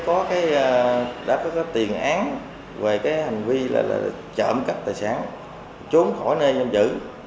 nó đã có tiền án về cái hành vi là trộm cắt tài sản trốn khỏi nơi giam giữ